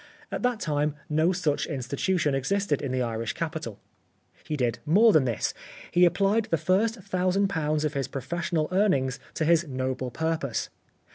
At that time no such institution existed in the Irish capital. He did more than this. He applied the first thousand pounds of his professional earnings to his noble purpose.